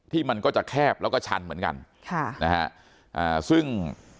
มันก็จะแคบแล้วก็ชันเหมือนกันค่ะนะฮะอ่าซึ่ง